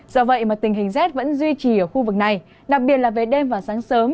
do vậy mà tình hình rét vẫn duy trì ở khu vực này đặc biệt là về đêm và sáng sớm